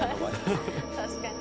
「確かに」